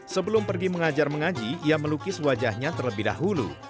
sebelum pergi mengajar mengaji ia melukis wajahnya terlebih dahulu